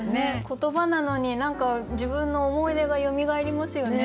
言葉なのに何か自分の思い出がよみがえりますよね。